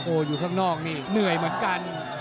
โอ้โหอยู่ข้างนอกนี่เหนื่อยเหมือนกัน